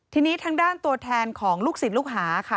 ทีนี้ทางด้านตัวแทนของลูกศิษย์ลูกหาค่ะ